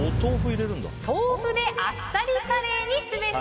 豆腐であっさりカレーにすべし。